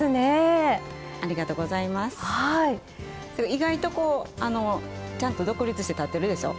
意外とこうあのちゃんと独立して立ってるでしょ？